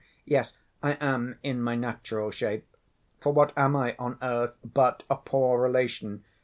Yes, I am in my natural shape. For what am I on earth but a poor relation?